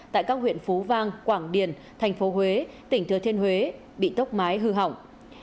tại các huyện phú vang quảng điền thành phố huế tỉnh thừa thiên huế bị tốc mái hư hỏng